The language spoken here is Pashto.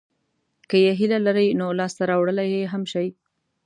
که یې هیله لرئ نو لاسته راوړلای یې هم شئ.